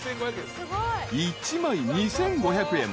［１枚２，５００円。